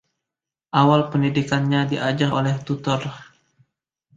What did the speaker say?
Awal pendidikannya diajar oleh tutor.